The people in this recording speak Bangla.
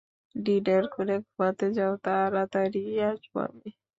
ডিনার করে ঘুমাতে যাও, তাড়াতাড়িই আসবো আমি।